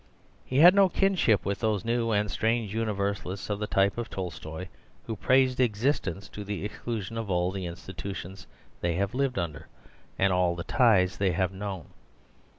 He had no kinship with those new and strange universalists of the type of Tolstoi who praise existence to the exclusion of all the institutions they have lived under, and all the ties they have known.